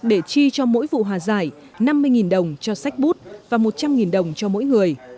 để chi cho mỗi vụ hòa giải năm mươi đồng cho sách bút và một trăm linh đồng cho mỗi người